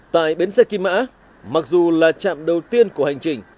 tại bến xe kim mã mặc dù là trạm đầu tiên của hành trình